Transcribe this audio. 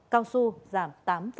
cao su giảm tám bảy